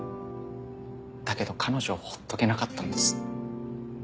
だけど彼女をほっとけなかったんです。